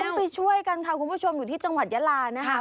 ต้องไปช่วยกันค่ะคุณผู้ชมอยู่ที่จังหวัดยาลานะคะ